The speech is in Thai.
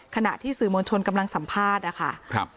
ขณะที่สื่อมวลชนกำลังสัมภาษณ์นะคะ